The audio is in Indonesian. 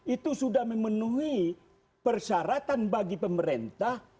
itu sudah memenuhi persyaratan bagi pemerintah